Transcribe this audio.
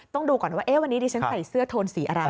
ต้องดูก่อนว่าวันนี้ดิฉันใส่เสื้อโทนสีอะไร